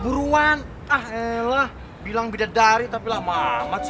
buruan ah elah bilang beda dari tapi lama amat sih